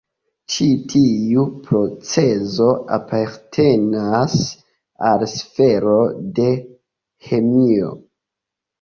Ĉi tiu procezo apartenas al sfero de ĥemio.